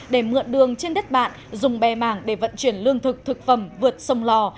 để mượn đường trên đất bạn dùng bè mảng để vận chuyển lương thực thực phẩm vượt sông lò